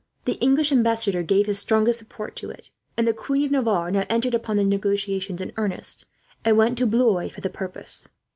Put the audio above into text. The English ambassador gave his strongest support to it, and the Queen of Navarre now entered upon the negotiations in earnest, and went to Blois for the purpose.